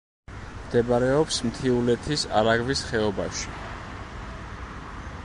მდებარეობს მთიულეთის არაგვის ხეობაში.